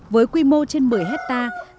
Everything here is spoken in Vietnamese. với quy mô trên một mươi hectare